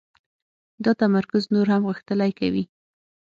دا تمرکز نور هم غښتلی کوي